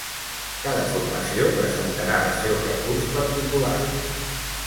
Cada formació presentarà el seu recurs particular.